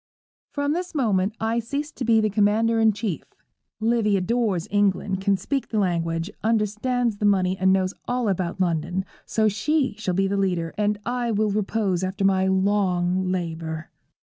_ 'From this moment I cease to be the commander in chief. Livy adores England, can speak the language, understands the money, and knows all about London; so she shall be leader, and I will repose after my long labour.'